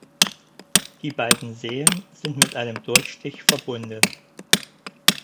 Die beiden Seen sind mit einem Durchstich verbunden.